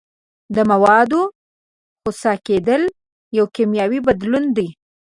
د موادو خسا کیدل یو کیمیاوي بدلون دی.